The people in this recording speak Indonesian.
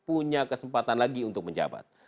punya kesempatan lagi untuk menjabat